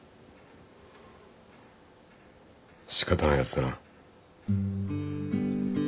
仕方ないやつだな。